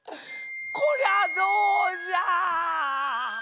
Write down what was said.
こりゃどうじゃ。